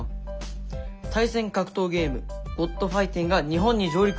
「対戦格闘ゲーム『ｇｏｄファイティン』が日本に上陸！」。